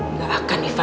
nggak akan ivan